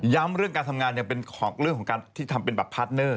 เรื่องการทำงานเป็นของเรื่องของการที่ทำเป็นแบบพาร์ทเนอร์